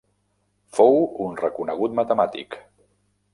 Fou un reconegut matemàtic.